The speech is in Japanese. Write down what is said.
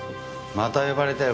また呼ばれたよ